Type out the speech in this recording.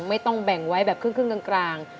ไม่ต้องแบ่งไว้แบบครึ่งกลาง